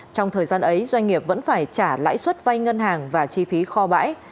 trong thời gian ấy doanh nghiệp vẫn phải trả lãi suất vay ngân hàng và chi phí kho bãi